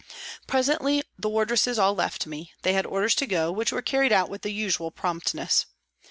Presently the wardresses all left me, they had orders to go, which wer^e carried out with the usual promptness.